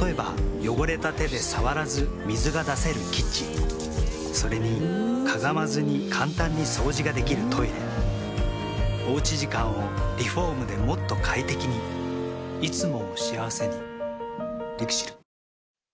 例えば汚れた手で触らず水が出せるキッチンそれにかがまずに簡単に掃除ができるトイレおうち時間をリフォームでもっと快適にいつもを幸せにＬＩＸＩＬ。